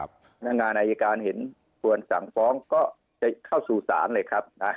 พนักงานอายการเห็นควรสั่งฟ้องก็จะเข้าสู่ศาลเลยครับ